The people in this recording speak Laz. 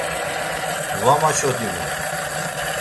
Va maçodinu.